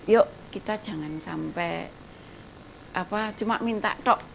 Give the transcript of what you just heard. yuk kita jangan sampai cuma minta dok